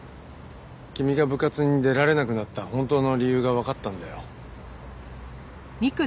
君が部活に出られなくなった本当の理由がわかったんだよ。